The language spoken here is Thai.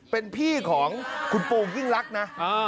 เป็นพี่ของคุณปูงก์วิ่งลักนะ